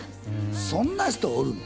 そんな人おるの？